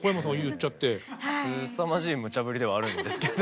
すさまじいむちゃぶりではあるんですけど。